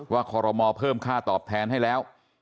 คอรมอเพิ่มค่าตอบแทนให้แล้ว